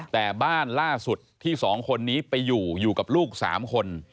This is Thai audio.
แต่บ้านล่าสุดที่๒คนนี้ไปอยู่อยู่กับลูก๓คน